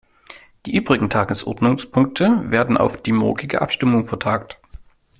Die übrigen Tagesordnungspunkte werden auf die morgige Abstimmung vertagt.